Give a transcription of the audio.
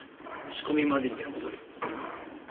仕込みまでには戻る。